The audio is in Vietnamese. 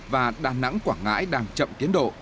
và đà nẵng quảng ngãi đang chậm tiến độ